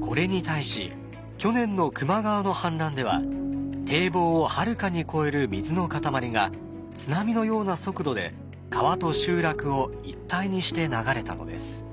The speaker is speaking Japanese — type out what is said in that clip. これに対し去年の球磨川の氾濫では堤防をはるかに越える水の塊が津波のような速度で川と集落を一体にして流れたのです。